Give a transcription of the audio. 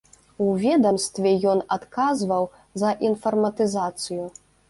У ведамстве ён адказваў за інфарматызацыю.